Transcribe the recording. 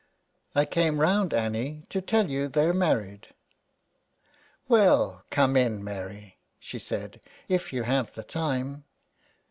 *' I came round, Annie, to tell you they're married." " Well, come in, Mary," she said, '' if you have the time."